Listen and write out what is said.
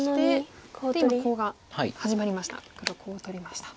で今コウが始まりました。